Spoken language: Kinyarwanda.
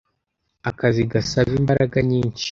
Akazi gasaba imbaraga nyinshi.